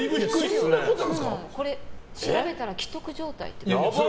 調べたら危篤状態って。